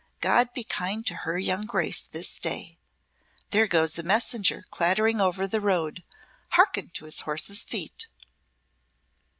God be kind to her young Grace this day. There goes a messenger clattering over the road. Hearken to his horse's feet.'"